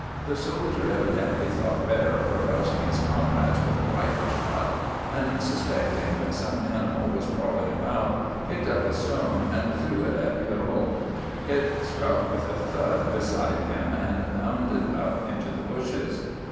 The soldier evidently thought better of arousing his comrades with a rifle shot, and suspecting that some animal was prowling about, picked up a stone and threw it at Pierrot. It struck with a thud beside him and bounded up into the bushes.